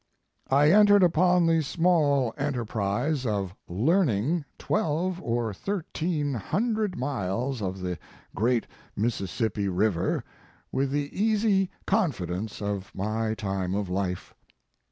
I entered upon the small enterprise of learning* twelve or thirteen hundred miles of the great Mississippi river with the easy confidence of my time of life.